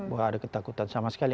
bahwa ada ketakutan sama sekali